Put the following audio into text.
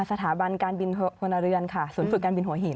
สถาบันการบินพลเรือนค่ะศูนย์ฝึกการบินหัวหิน